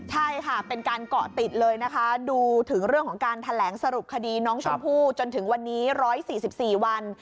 ใช่ค่ะเป็นการเกาะติดเลยนะคะดูถึงเรื่องของการแถลงสรุปคดีน้องชมพู่จนถึงวันนี้๑๔๔วัน